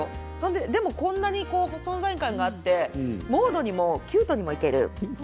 でも存在感があってモードにもキュートでもいける。